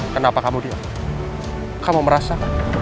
kenapa kamu diam kamu merasa